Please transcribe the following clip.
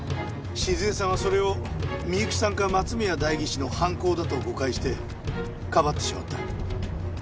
静江さんはそれを美由紀さんか松宮代議士の犯行だと誤解してかばってしまった。